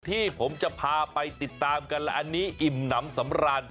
ที่ผมจะพาไปติดตามกันและอันนี้อิ่มน้ำสำราญ